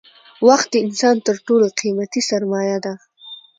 وخت د انسان تر ټولو قیمتي سرمایه ده